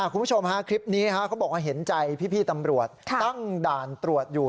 คุณผู้ชมฮะคลิปนี้เขาบอกว่าเห็นใจพี่ตำรวจตั้งด่านตรวจอยู่